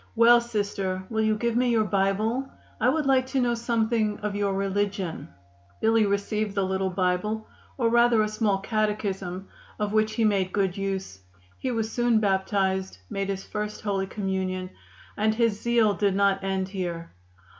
Well, Sister, will you give me your Bible? I would like to know something of your religion." Billy received the little Bible, or rather a small catechism, of which he made good use. He was soon baptized, made his first holy communion, and his zeal did not end here.